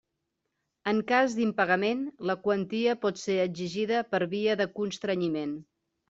En cas d'impagament la quantia pot ser exigida per via de constrenyiment.